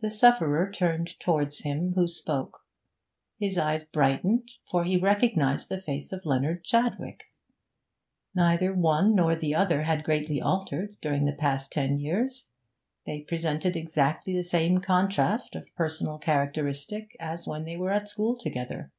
The sufferer turned towards him who spoke; his eyes brightened, for he recognised the face of Leonard Chadwick. Neither one nor the other had greatly altered during the past ten years; they presented exactly the same contrast of personal characteristic as when they were at school together.